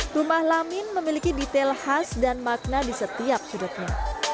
rumah lamin memiliki detail khas dan makna di setiap sudutnya